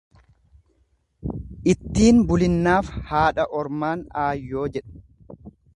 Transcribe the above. Ittiin bulinnaaf haadha ormaan aayyoo jedhu.